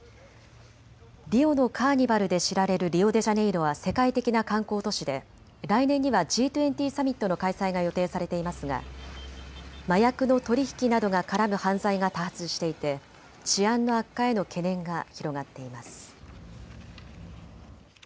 リオのカーニバルで知られるリオデジャネイロは世界的な観光都市で来年にはＧ２０サミットの開催が予定されていますが麻薬の取り引きなどが絡む犯罪が多発していて治安の悪化への懸念が広がっています。